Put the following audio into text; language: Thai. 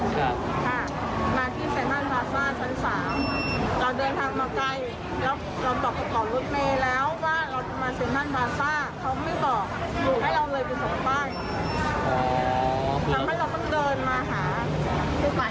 ทำให้เราต้องเดินมาหา